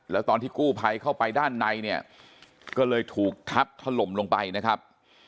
แล้วตอนที่กู้ภัยเข้าไปด้านในเนี่ยก็เลยถูกทับถล่มลงไปนะครับ